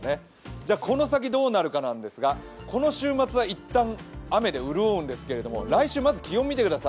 じゃあこの先どうなるかなんですが、この週末はいったん雨で潤うんですけど来週、まず気温見てください。